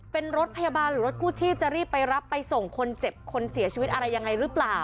เป็นรถพยาบาลหรือรถกู้ชีพจะรีบไปรับไปส่งคนเจ็บคนเสียชีวิตอะไรยังไงหรือเปล่า